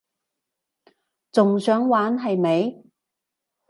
仲想玩係咪？